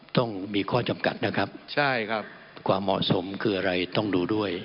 ต้องมีข้อจำกัดนะครับใช่ครับความเหมาะสมคืออะไรต้องดูด้วย